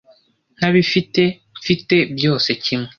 ntabifite mfite byose kimwe